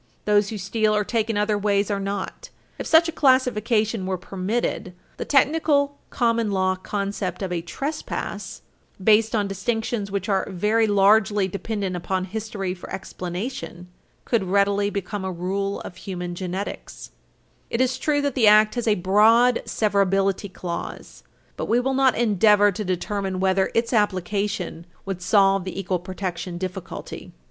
Those who steal or take in other ways are not. If such a classification were permitted, the technical common law concept of a "trespass" (Bishop, Criminal Law, 9th ed., vol. 1, §§ 566, 567) based on distinctions which are "very largely dependent upon history for explanation" (Holmes, The Common Law, p. 73) could readily become a rule of human genetics. It is true that the Act has a broad severability clause. [Footnote 3] But we will not endeavor to determine whether its application Page 316 U. S. 543 would solve the equal protection difficulty.